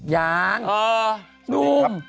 ยังนุ่มเออสวัสดีครับ